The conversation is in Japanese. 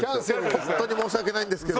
「本当に申し訳ないんですけど」。